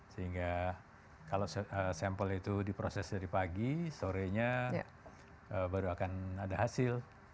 sehingga kalau sampel itu diproses dari pagi sorenya baru akan ada hasil